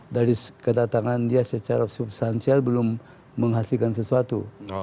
dari kedatangan dia secara substansial belum menghasilkan sesuatu